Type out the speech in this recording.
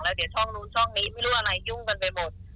เดี๋ยวช่องนู้นช่องนี้ไม่รู้อะไรยุ่งกันไปหมด